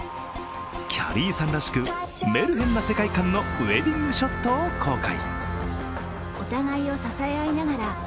きゃりーさんらしくメルヘンな世界観のウエディングショットを公開。